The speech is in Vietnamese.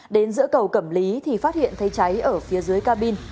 đến giữa cầu cẩm lý thì phát hiện thấy cháy ở phía dưới cabin